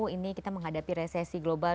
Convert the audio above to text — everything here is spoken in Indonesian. ini kita menghadapi resesi global